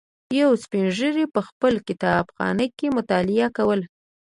یوه سپین ږیري په خپل کتابخانه کې مطالعه کوله.